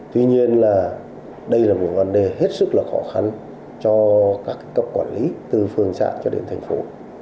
tuy nhiên là đây là một vấn đề hết sức là khó khăn cho các cấp quản lý từ phường xã cho đến thành phố